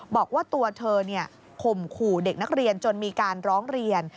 บอกว่าตัวเธอข่มขู่เด็กนักเรียนจนมีการร้องเรียน